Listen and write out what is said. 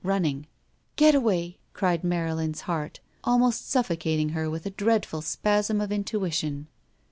Running. "Getaway!" cried Marylin's heart, almost suffo cating her with a dreadful spasm of intuition.